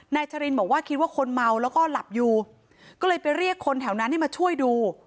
ชรินบอกว่าคิดว่าคนเมาแล้วก็หลับอยู่ก็เลยไปเรียกคนแถวนั้นให้มาช่วยดู